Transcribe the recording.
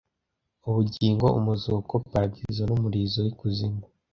Ubugingo, umuzuko, paradizo n’umuriro w’ikuzimu